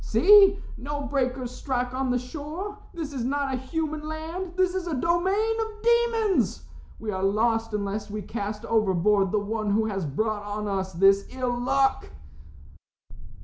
"See, no breakers strike on the shore. This is not a human land. This is a domain of demons. We are lost unless we cast overboard the one who has brought on us this ill luck."